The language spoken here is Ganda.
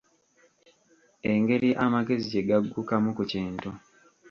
Engeri amagezi gye gaggukamu ku kintu.